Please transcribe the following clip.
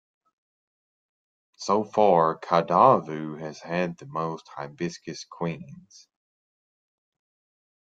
So far Kadavu has had the most Hibiscus Queens.